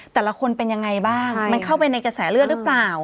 แต่ละคนเป็นยังไงบ้างมันเข้าไปในกระแสเลือดหรือเปล่า